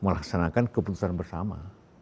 melaksanakan keputusan bersama